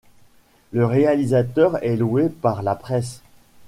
Le réalisateur est loué par la presse.